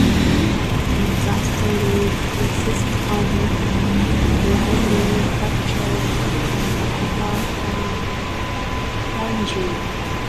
Industry consists of light manufacturing and a copper foundry.